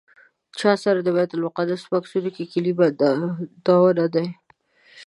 چا سره د بیت المقدس په عکسونو کیلي بندونه دي.